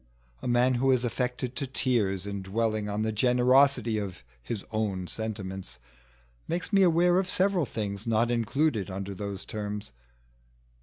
A man who is affected to tears in dwelling on the generosity of his own sentiments makes me aware of several things not included under those terms.